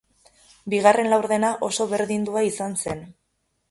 Bigarren laurdena oso berdindua izan zen.